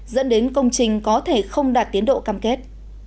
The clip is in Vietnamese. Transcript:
dẫn đến công trình có thể không đạt tiến độ cam kết